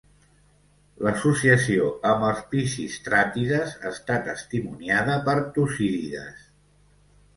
L'associació amb els Pisistràtides està testimoniada per Tucídides.